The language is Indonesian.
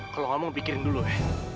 kalau ngomong pikirin dulu ya